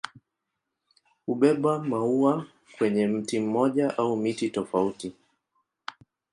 Hubeba maua kwenye mti mmoja au miti tofauti.